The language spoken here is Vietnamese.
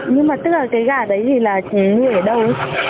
nhưng mà tức là cái gà đấy thì là chị nuôi ở đâu